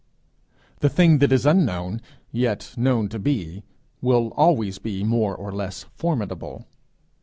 The thing that is unknown, yet known to be, will always be more or less formidable.